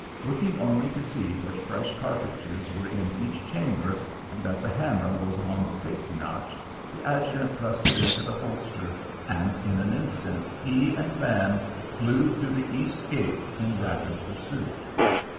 Looking only to see that fresh cartridges were in each chamber and that the hammer was on the safety notch, the adjutant thrust it into the holster, and in an instant he and Van flew through the east gate in rapid pursuit.